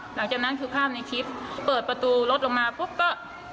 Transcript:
หลังจากนั้นคือภาพในคลิปเปิดประตูรถลงมาปุ๊บก็